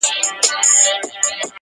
ده څومره ارزاني، ستا په لمن کي جانانه_